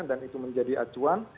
dan itu menjadi acuan